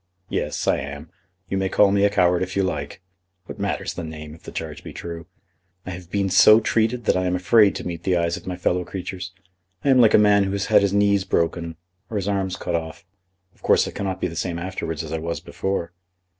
"Yes, I am. You may call me a coward if you like. What matters the name, if the charge be true? I have been so treated that I am afraid to meet the eyes of my fellow creatures. I am like a man who has had his knees broken, or his arms cut off. Of course I cannot be the same afterwards as I was before."